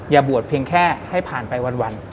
อย่าบวชเพียงแค่ให้ผ่านไปวัน